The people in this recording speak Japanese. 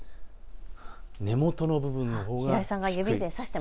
根元の部分のほうが低い。